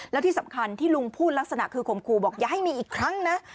แล้วที่สำคัญที่ลุงพูดลักษณะคือข่มขู่บอกอย่าให้มีอีกครั้งนะ